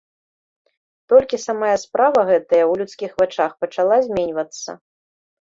Толькі самая справа гэтая ў людскіх вачах пачала зменьвацца.